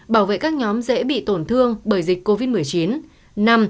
bảo vệ các nhóm dễ bị tổn thương bởi dịch covid một mươi chín